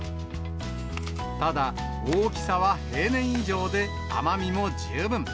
ただ、大きさは平年以上で、甘みも十分。